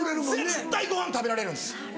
絶対ご飯食べられるんです。